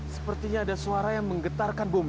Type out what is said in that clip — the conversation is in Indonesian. sepertinya ada suara yang menggetarkan bom